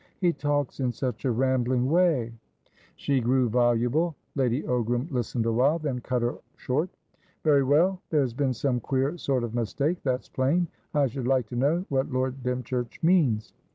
He talks in such a rambling way" She grew voluble. Lady Ogram listened awhile, then cut her short. "Very well. There has been some queer sort of mistake, that's plain. I should like to know what Lord Dymchurch means.